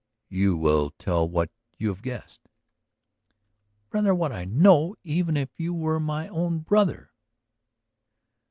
"You will tell what you have guessed?" "Rather what I know! Even if you were my own brother.